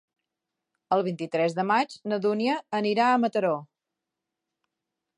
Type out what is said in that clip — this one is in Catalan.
El vint-i-tres de maig na Dúnia anirà a Mataró.